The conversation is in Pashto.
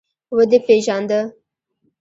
ودې پېژانده.